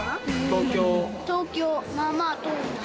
東京。